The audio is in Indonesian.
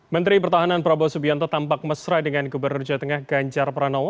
menteri pertahanan prabowo subianto tampak mesra dengan gubernur jawa tengah ganjar pranowo